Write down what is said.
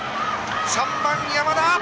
３番、山田。